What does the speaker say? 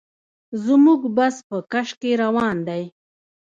زموږ بس په کش کې روان دی.